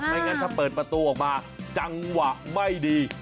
งั้นถ้าเปิดประตูออกมาจังหวะไม่ดี